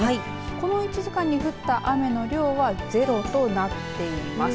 この１時間に降った雨の量はゼロとなっています。